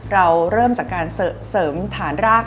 เราเริ่มจากการเสริมฐานราก